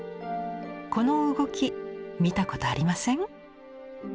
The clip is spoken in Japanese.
この動き見たことありません？